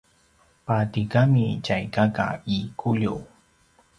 patigami tjay kaka i Kuliu